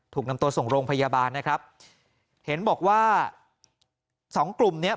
ถูกนำตัวส่งโรงพยาบาลนะครับเห็นบอกว่าสองกลุ่มเนี้ย